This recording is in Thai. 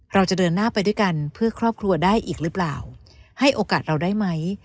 เราจะเดินหน้าไปด้วยกันเพื่อครอบครัวได้อีกหรือเปล่าให้โอกาสเราได้ไหม